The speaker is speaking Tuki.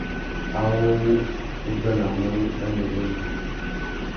Awô wu udjanamú nà nêbênê.